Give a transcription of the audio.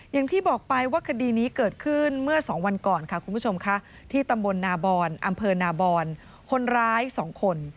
อย่างที่บอกไปว่าคดีนี้เกิดขึ้นเมื่อสองวันก่อนค่ะคุณผู้ชมค่ะที่ตำบลนาบอนอำเภอนาบอนคนร้าย๒คน